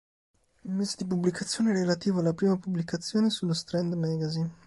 Il mese di pubblicazione è relativo alla prima pubblicazione sullo "Strand Magazine".